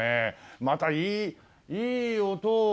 またいいいい音をねえ。